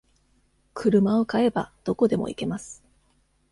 車を買えば、どこでも行けます。